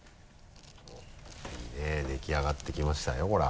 いいね出来上がってきましたよほら。